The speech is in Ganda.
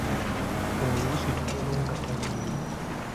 Oluusi tugendayo nga taliiyo.